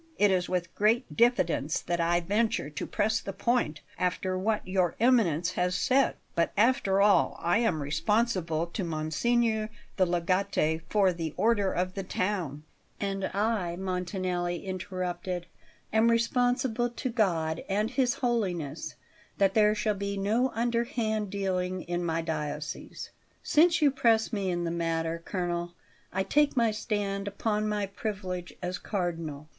It is with great diffidence that I venture to press the point after what Your Eminence has said; but after all I am responsible to Monsignor the Legate for the order of the town " "And I," Montanelli interrupted, "am responsible to God and His Holiness that there shall be no underhand dealing in my diocese. Since you press me in the matter, colonel, I take my stand upon my privilege as Cardinal.